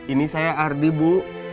ini saya ardi bu